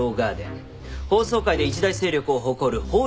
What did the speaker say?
法曹界で一大勢力を誇る法律事務所です。